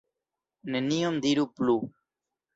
Nenion diru plu.